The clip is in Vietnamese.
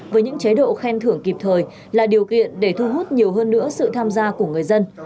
với những chế độ khen thưởng kịp thời là điều kiện để thu hút nhiều hơn nữa sự tham gia của người dân